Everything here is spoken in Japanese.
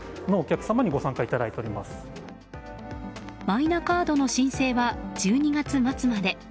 マイナカードの申請は１２月末まで。